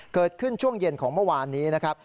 เกิดขึ้นช่วงเย็นของเมื่อวานนี้นะครับ